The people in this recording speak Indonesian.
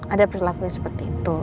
ada perilakunya seperti itu